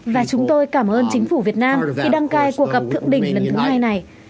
và chúng tôi cảm ơn chính phủ việt nam khi đăng cai cuộc gặp thượng đỉnh lần thứ hai này